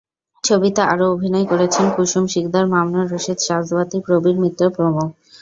ছবিতে আরও অভিনয় করেছেন কুসুম সিকদার, মামুনুর রশীদ, সাঁঝবাতি, প্রবীর মিত্র প্রমুখ।